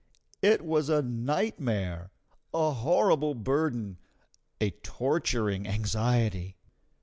It was a nightmare, a horrible burden, a torturing anxiety.